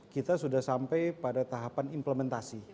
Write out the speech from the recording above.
kita sudah sampai pada tahapan implementasi